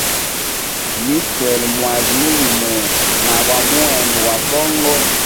Niswele mwazi mulimula na gwa muembe gwa songo.